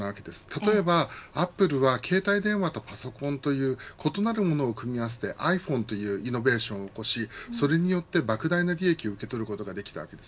例えばアップルは携帯電話とパソコンという異なるものを組み合わせてｉＰｈｏｎｅというイノベーションを起こしそれによって莫大な利益を受け取ることができました。